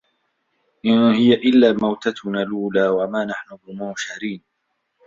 إِن هِيَ إِلّا مَوتَتُنَا الأولى وَما نَحنُ بِمُنشَرينَ